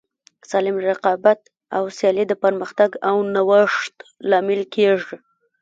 سالم رقابت او سیالي د پرمختګ او نوښت لامل کیږي.